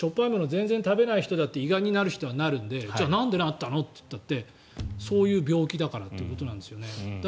全然食べない人だって胃がんになる人はなるのでじゃあ、なんでなったのって言ったってそういう病気だからということですね。